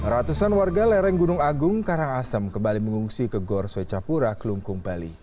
ratusan warga lereng gunung agung karangasem kembali mengungsi ke gor swecapura kelungkung bali